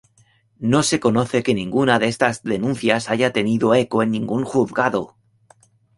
No se conoce que ninguna de estas denuncias haya tenido eco en ningún juzgado.